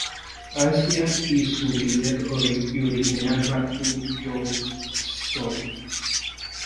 Asia y su líder original Marty Johnstone.